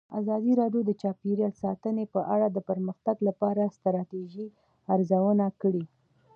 ازادي راډیو د چاپیریال ساتنه په اړه د پرمختګ لپاره د ستراتیژۍ ارزونه کړې.